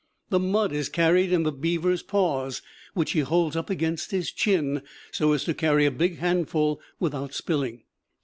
The mud is carried in the beaver's paws, which he holds up against his chin so as to carry a big handful without spilling.